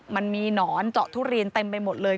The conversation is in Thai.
มันมีหนอนเจาะทุเรียนเต็มไปหมดเลย